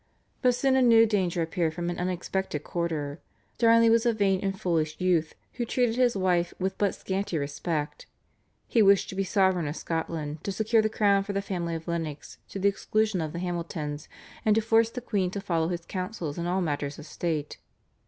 But soon a new danger appeared from an unexpected quarter. Darnley was a vain and foolish youth who treated his wife with but scanty respect. He wished to be sovereign of Scotland, to secure the crown for the family of Lennox to the exclusion of the Hamiltons, and to force the queen to follow his counsels in all matters of state.